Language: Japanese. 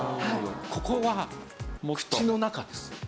ここは口の中です。